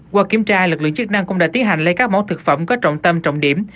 qua kiểm tra lực lượng chức năng cũng đã tiến hành lấy các mẫu thực phẩm có trọng tâm trọng điểm